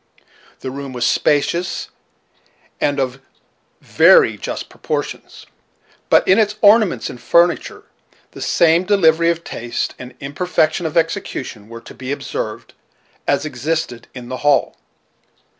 The room was spacious, and of very just proportions; but in its ornaments and furniture the same diversity of taste and imperfection of execution were to be observed as existed in the hall.